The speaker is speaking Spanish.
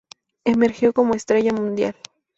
Emergió como estrella mundial.